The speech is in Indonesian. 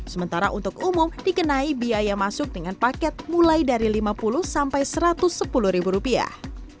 sementara untuk umum dikenai biaya masuk dengan paket mulai dari lima puluh sampai satu ratus sepuluh ribu rupiah